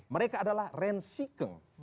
mereka adalah reinsikeng